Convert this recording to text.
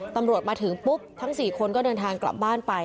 ตำรวจมาถึงปุ๊บทั้ง๔คนก็เดินทางกลับบ้านไป